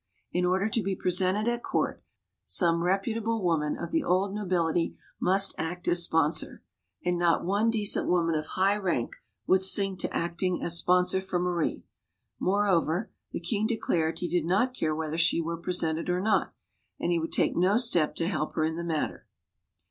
In order to be presented at court, some reputable woman of the old nobility must act as sponsor. And not one decent woman of high rank would sink to acting as sponsor for Marie. Moreover, the king declared he did not care whether she were presented or not, and he would take no step to help her in the matter.